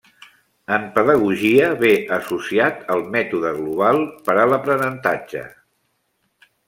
En pedagogia ve associat al mètode global per a l'aprenentatge.